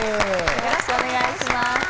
よろしくお願いします。